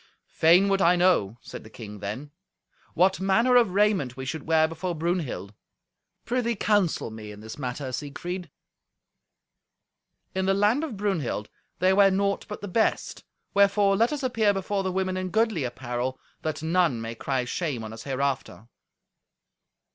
"Fain would I know," said the king then, "what manner of raiment we should wear before Brunhild. Prithee, counsel me in this matter, Siegfried." "In the land of Brunhild they wear naught but the best, wherefore let us appear before the women in goodly apparel, that none may cry shame on us hereafter."